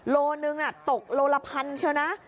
โลหนึ่งตกโลละพันเชียวนะ